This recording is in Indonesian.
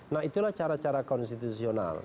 nah itulah cara cara konstitusional